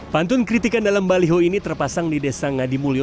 pantun kritikan dalam baliho ini terpasang di desa ngadimulyo